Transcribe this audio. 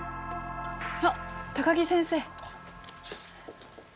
あっ高木先生！